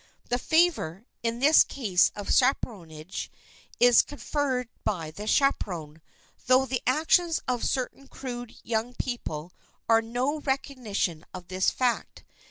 The favor, in the case of chaperonage, is conferred by the chaperon, though the actions of certain crude young people are no recognition of this fact.